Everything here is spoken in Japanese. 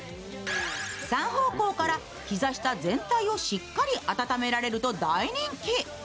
３方向から膝下全体をしっかり温められると大人気。